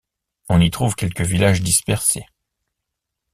On y trouve quelques villages dispersés.